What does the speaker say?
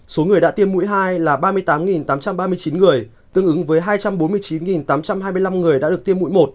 số người đã tiêm mũi hai là ba mươi tám tám trăm ba mươi chín người tương ứng với hai trăm bốn mươi chín tám trăm hai mươi năm người đã được tiêm mũi một